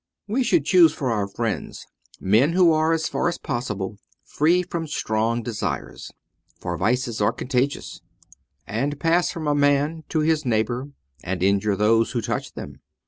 We should choose for our friends men who are, as far as possible, free from strong desires : for vices are contagious, and pass from a man to his neigh bour, and injure those who touch them.